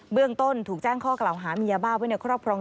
เรื่องต้นถูกแจ้งข้อกล่าวหามียาบ้าไว้ในครอบครอง